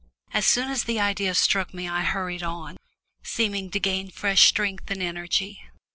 As soon as the idea struck me I hurried on, seeming to gain fresh strength and energy.